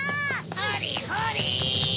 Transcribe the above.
ほれほれ！